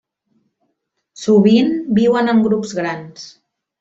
Sovint viuen en grups grans.